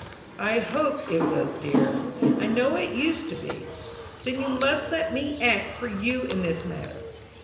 "I hoped it was, dear; I know it used to be. Then you must let me act for you in this matter."